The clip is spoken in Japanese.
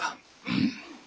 うん。